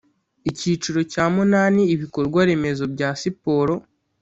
Icyiciro cya munani Ibikorwaremezo bya siporo